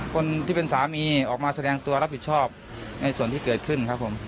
คนที่เป็นสามีออกมาแสดงตัวรับผิดชอบในส่วนที่เกิดขึ้นครับผม